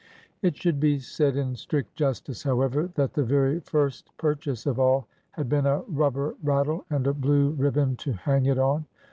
It should be said in strict justice, however, that the very first purchase of all had been a rubber rattle and a blue ribbon to hang it on.